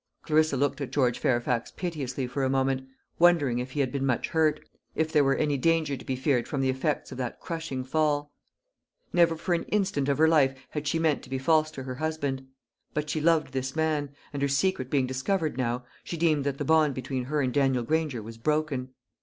Clarissa looked at George Fairfax piteously for a moment, wondering if he had been much hurt if there were any danger to be feared from the effects or that crushing fall. Never for an instant of her life had she meant to be false to her husband; but she loved this man; and her secret being discovered now, she deemed that the bond between her and Daniel Granger was broken.